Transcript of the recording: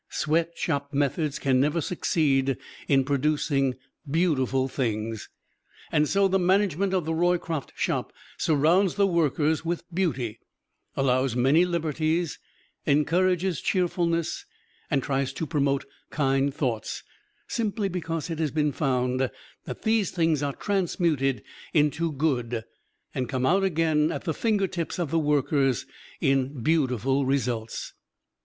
Sweat shop methods can never succeed in producing beautiful things. And so the management of the Roycroft Shop surrounds the workers with beauty, allows many liberties, encourages cheerfulness and tries to promote kind thoughts, simply because it has been found that these things are transmuted into good, and come out again at the finger tips of the workers in beautiful results.